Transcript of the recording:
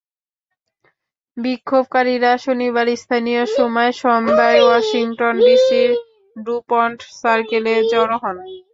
বিক্ষোভকারীরা শনিবার স্থানীয় সময় সন্ধ্যায় ওয়াশিংটন ডিসির ডুপন্ট সার্কেলে জড়ো হন।